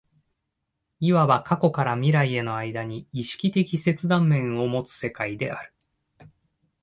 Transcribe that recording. いわば過去から未来への間に意識的切断面を有つ世界である。